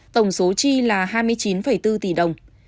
tổng số chi là hai mươi chín bốn tỷ đồng